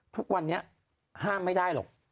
ทุกวันนี้ห้ามไม่ได้หรอก